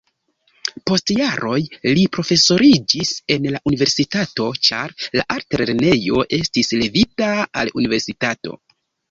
Post jaroj li profesoriĝis en la universitato, ĉar la altlernejo estis levita al universitato.